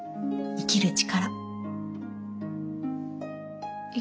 生きる力。